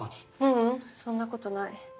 ううんそんなことない。